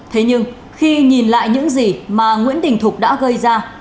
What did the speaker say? thế nhưng khi nhìn lại những gì mà nguyễn đình thục đã gây ra